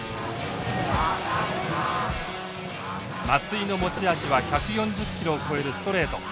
松井の持ち味は１４０キロを超えるストレート。